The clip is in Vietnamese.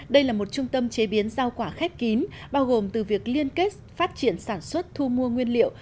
đây là một trung tâm chế biến rau quả khép kín bao gồm từ việc liên kết phát triển sản xuất thu mua nguyên liệu